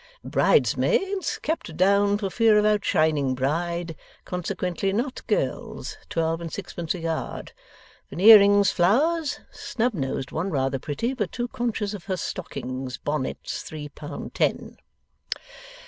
Bridesmaids; kept down for fear of outshining bride, consequently not girls, twelve and sixpence a yard, Veneering's flowers, snub nosed one rather pretty but too conscious of her stockings, bonnets three pound ten.